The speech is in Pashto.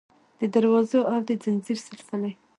د دروازو او د ځنځیر سلسلې